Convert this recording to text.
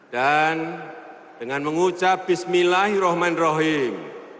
dan dengan mengucap bismillahirrahmanirrahim